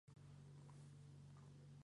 La película fue estrenada en Netflix.